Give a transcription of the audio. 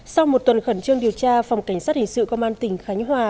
sau một tuần khẩn trương điều tra phòng cảnh sát hình sự công an tỉnh khánh hòa